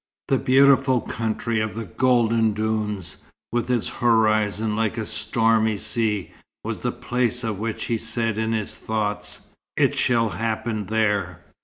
The beautiful country of the golden dunes, with its horizon like a stormy sea, was the place of which he said in his thoughts, "It shall happen there."